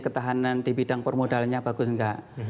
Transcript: ketahanan di bidang permodalannya bagus enggak